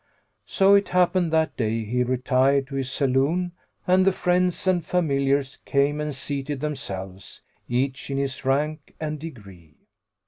So it happened that day, he retired to his saloom, and the friends and familiars came and seated themselves, each in his rank and degree.